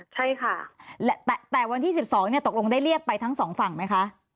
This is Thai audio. ใช่ค่ะแต่วันที่๑๒ตกลงได้เรียกไปทั้งสองฝั่งไหมคะ